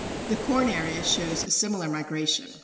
The corn area shows a similar migration.